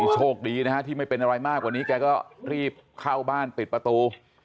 โชคดีนะฮะที่ไม่เป็นอะไรมากกว่านี้แกก็รีบเข้าบ้านปิดประตู